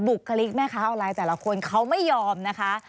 บุคลิกแม่ค้าออนไลน์แต่ละคนเขาไม่ยอมนะคะ